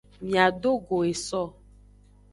Miadogo eso.